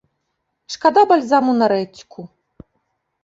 Шкада бальзаму на рэдзьку!